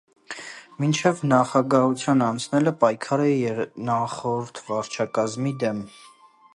Մինչև նախագահության անցնելը պայքարել է նախորդ վարչակազմի դեմ։